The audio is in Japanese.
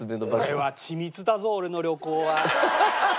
俺は緻密だぞ俺の旅行は。